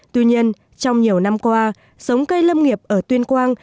tuy nhiên trong nhiều năm qua sống cây lâm nghiệp ở tuyên quang